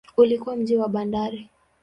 Ulikuwa mji wa bandari.